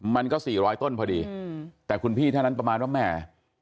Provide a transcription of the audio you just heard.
มันก็๔๐๐ต้นพอดีแต่คุณพี่ท่านนั้นประมาณว่าแหม